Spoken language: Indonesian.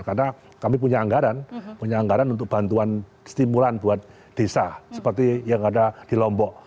karena kami punya anggaran untuk bantuan stimulan buat desa seperti yang ada di lombok